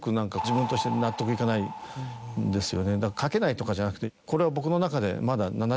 だから書けないとかじゃなくてこれは僕の中で。